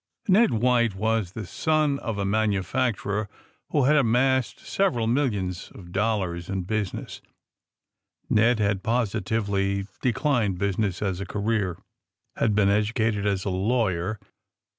AND THE SMUGGLERS 49 Ned White was the son of a manufacturer who had amassed several millions of dollars in business. Ned, having positively declined busi ness as a career, had been educated as a lawyer.